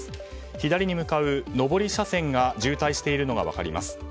左に向かう上り車線が渋滞しているのが分かります。